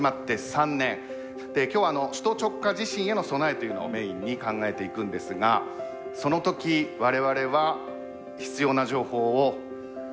今日は首都直下地震への備えというのをメインに考えていくんですがその時我々は必要な情報をお伝えすることができるか。